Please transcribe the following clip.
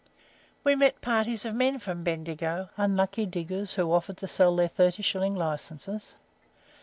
We met parties of men from Bendigo unlucky diggers, who offered to sell their thirty shilling licenses.